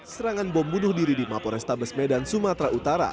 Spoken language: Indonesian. serangan bom bunuh diri di mapo restabes medan sumatera utara